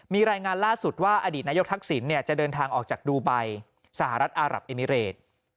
มีรายงานล่าสุดว่าอดีตนายกทักษิณจะเดินทางออกจากดูไบสหรัฐอารับเอมิเรต